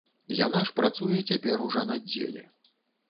Яна ж працуе цяпер у жанаддзеле.